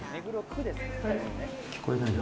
聞こえないな。